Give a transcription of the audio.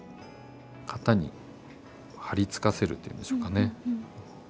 型に貼り付かせるっていうんでしょうかね。